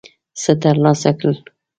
څه ترلاسه کړل.